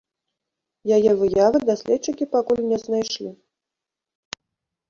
Яе выявы даследчыкі пакуль не знайшлі.